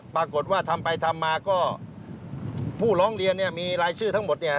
ปรากฏว่าทำไปทำมาก็ผู้ร้องเรียนมีรายชื่อทั้งหมด